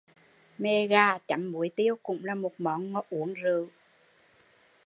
Mề gà chấm muối tiêu cũng là một món uống rượu